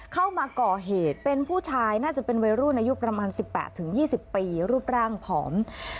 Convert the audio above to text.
เข้ามาก่อเหตุเป็นผู้ชายน่าจะเป็นวัยรุ่นอายุประมาณ๑๘๒๐ปีรูปร่างผอม